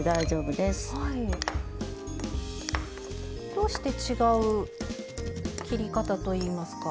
どうして違う切り方といいますか。